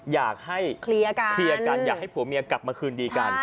อยากให้เคลียร์กันอยากให้ผัวเมียกลับมาคืนดีกัน